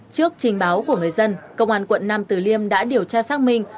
trước trình báo của người dân công an quận nam từ liêm đã điều tra xác minh